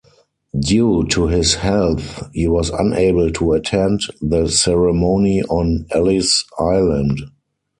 Due to his health, he was unable to attend the ceremony on Ellis Island.